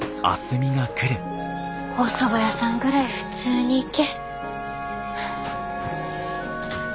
おそば屋さんぐらい普通に行け。